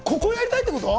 ここをやりたいってこと？